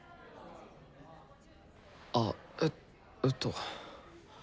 あっええっと。